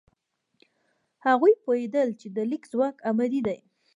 هغوی پوهېدل چې د لیک ځواک ابدي دی.